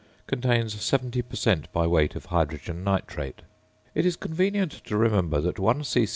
contains 70 per cent. by weight of hydrogen nitrate). It is convenient to remember that one c.